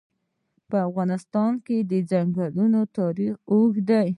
په افغانستان کې د ځنګلونه تاریخ اوږد دی.